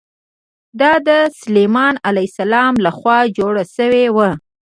دا د سلیمان علیه السلام له خوا جوړ شوی و.